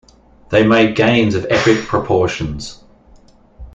They made gains of epic proportions.